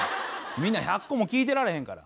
みんな１００個も聞いてられへんから。